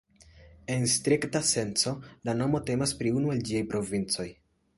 En strikta senco, la nomo temas pri unu el ĝiaj provincoj.